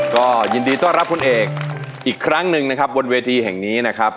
ก็ยินดีต้อนรับคุณเอกอีกครั้งหนึ่งนะครับบนเวทีแห่งนี้นะครับ